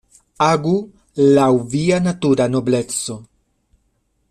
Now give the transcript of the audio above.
Agu laŭ via natura nobleco.